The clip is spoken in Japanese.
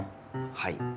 はい。